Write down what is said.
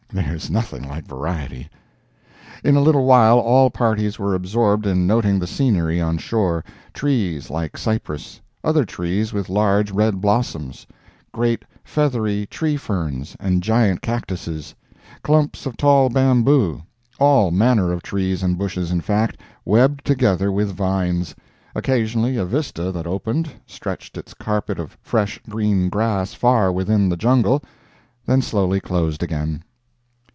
There is nothing like variety. In a little while all parties were absorbed in noting the scenery on shore—trees like cypress; other trees with large red blossoms; great feathery tree ferns and giant cactuses; clumps of tall bamboo; all manner of trees and bushes, in fact, webbed together with vines; occasionally a vista that opened, stretched its carpet of fresh green grass far within the jungle, then slowly closed again.